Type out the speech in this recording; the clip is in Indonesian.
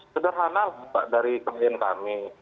sederhana pak dari klien kami